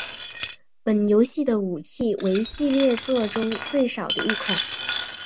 本游戏的武器为系列作中最少的一款。